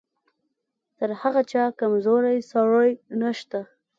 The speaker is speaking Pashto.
تر هغه چا کمزوری سړی نشته.